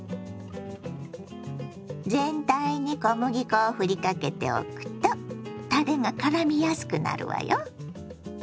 全体に小麦粉をふりかけておくとたれがからみやすくなるわよ。